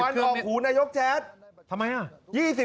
ควันออกหูนายกแจ๊ดทำไมล่ะ